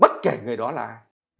bất kể người đó là ai